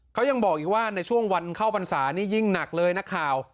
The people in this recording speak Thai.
เขายังบอกอีกว่าในช่วงวันเข้าพรรษานี่ยิ่งหนักเลยนักข่าว